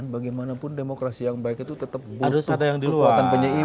bagaimanapun demokrasi yang baik itu tetap butuh kekuatan penyeimbang